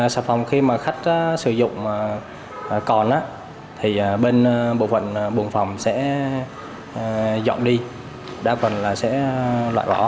xà phòng khi mà khách sử dụng còn thì bên bộ phận buôn phòng sẽ dọn đi đa phần là sẽ loại bỏ